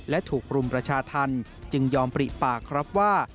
และถูกรุมประชาธรรมจึงยอมปริปากครับว่า